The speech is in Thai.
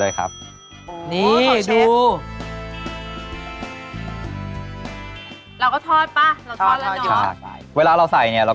แล้วก็ไล่ใหม่ข้างหน้าครับ